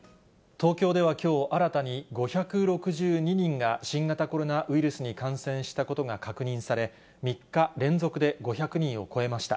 東京ではきょう、新たに、５６２人が新型コロナウイルスに感染したことが確認され、３日連続で５００人を超えました。